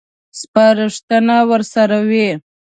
سپارښتنه ورسره وي.